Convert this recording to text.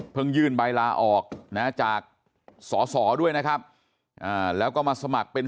ยื่นใบลาออกนะจากสอสอด้วยนะครับแล้วก็มาสมัครเป็น